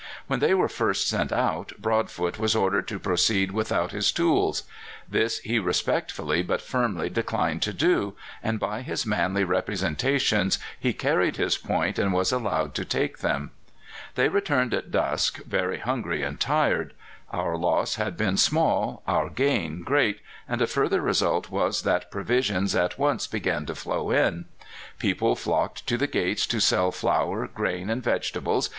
When they were first sent out, Broadfoot was ordered to proceed without his tools. This he respectfully but firmly declined to do, and by his manly representations he carried his point, and was allowed to take them. They returned at dusk, very hungry and tired. Our loss had been small, our gain great, and a further result was that provisions at once began to flow in. People flocked to the gates to sell flour, grain, and vegetables.